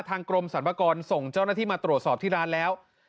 กรมสรรพากรส่งเจ้าหน้าที่มาตรวจสอบที่ร้านแล้ว